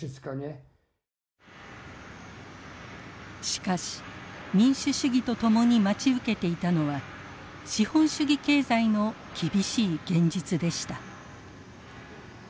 しかし民主主義と共に待ち受けていたのは資本主義経済の厳しい現実でした。